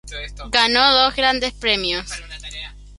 Ganó dos Grandes Premios.